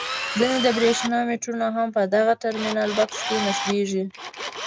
ځینې د برېښنا میټرونه هم په دغه ټرمینل بکس کې نصبیږي.